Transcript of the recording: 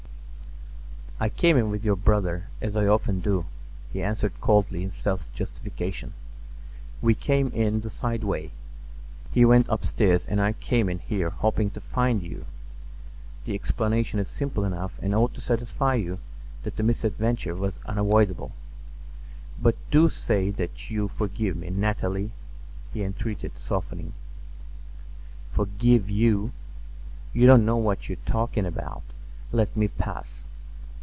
"I came in with your brother, as I often do," he answered coldly, in self justification. "We came in the side way. He went upstairs and I came in here hoping to find you. The explanation is simple enough and ought to satisfy you that the misadventure was unavoidable. But do say that you forgive me, Nathalie," he entreated, softening. "Forgive you! You don't know what you are talking about. Let me pass.